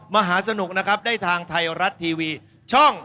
มหาสนุกนะครับได้ทางไทยรัฐทีวีช่อง๓